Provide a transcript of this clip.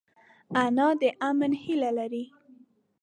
انا د امن هیله لري